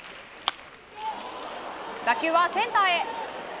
打球はセンターへ。